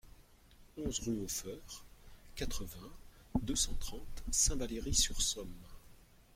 onze rue au Feurre, quatre-vingts, deux cent trente, Saint-Valery-sur-Somme